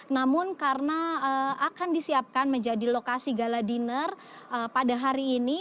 namun karena akan disiapkan menjadi lokasi gala dinner pada hari ini